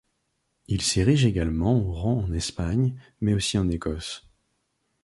Il s’érige également au rang en Espagne, mais aussi en Écosse.